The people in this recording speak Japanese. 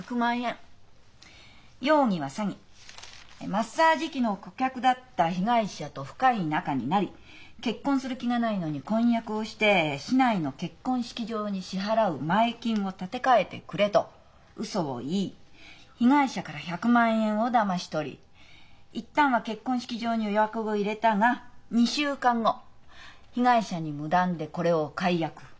マッサージ機の顧客だった被害者と深い仲になり結婚する気がないのに婚約をして市内の結婚式場に支払う前金を立て替えてくれとウソを言い被害者から１００万円をだまし取り一旦は結婚式場に予約を入れたが２週間後被害者に無断でこれを解約。